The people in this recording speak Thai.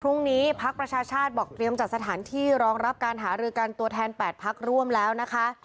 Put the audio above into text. ภักดิ์ประชาชาติบอกเตรียมจัดสถานที่รองรับการหารือกันตัวแทน๘พักร่วมแล้วนะคะ